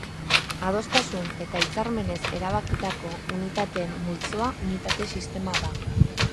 Adostasun eta hitzarmenez erabakitako unitateen multzoa unitate sistema da.